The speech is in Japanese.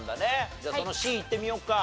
じゃあそのＣいってみようか。